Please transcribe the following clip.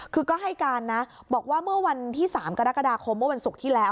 คือก็ให้การนะบอกว่าเมื่อวันที่๓กรกฎาคมเมื่อวันศุกร์ที่แล้ว